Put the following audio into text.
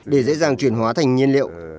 để dễ dàng chuyển hóa thành nhiên liệu